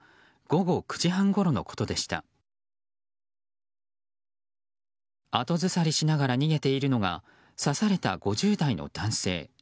後ずさりしながら逃げているのが刺された５０代の男性。